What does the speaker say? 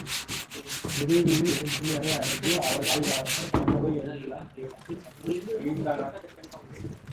இறுதியில் ஒரு முனிவரை அடைந்து அவர் வாயிலாக நடந்தவை எல்லாம் கேட்டு நன்கு தெளிந்தனன்.